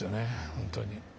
本当に。